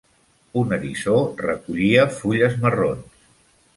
Un eriçó recollia fulles marrons.